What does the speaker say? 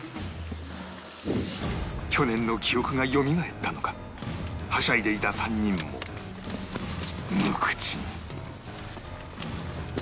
去年の記憶がよみがえったのかはしゃいでいた３人も無口に